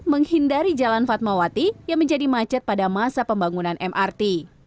menghindari jalan fatmawati yang menjadi macet pada masa pembangunan mrt